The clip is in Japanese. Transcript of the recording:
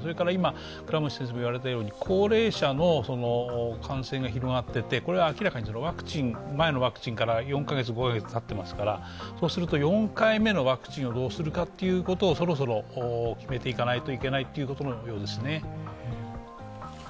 それから今、倉持先生も言われたように、高齢者の感染が広がっていて、これは明らかに前のワクチンから４５カ月たっていますから４回目のワクチンをどうするかということをそろそろ決めていかないといけないようですね。